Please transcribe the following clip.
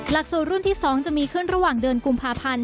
หลักสูตรรุ่นที่๒จะมีขึ้นระหว่างเดือนกุมภาพันธ์